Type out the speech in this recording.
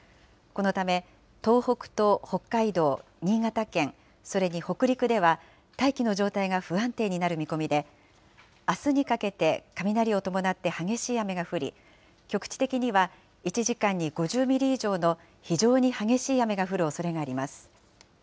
このため東北と北海道、新潟県、それに北陸では、大気の状態が不安定になる見込みで、あすにかけて雷を伴って激しい雨が降り、局地的には１時間に５０ミリ以上の非常に激しい雨が降るおそれがあります。